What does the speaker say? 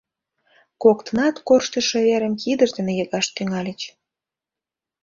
Коктынат корштышо верым кидышт дене йыгаш тӱҥальыч.